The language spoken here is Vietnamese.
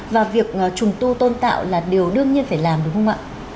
và việc trùng tu tôn tạo là điều đương nhiên phải làm đúng không ạ